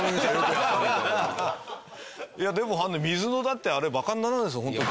いやでも水のだってあれバカにならないですよホント。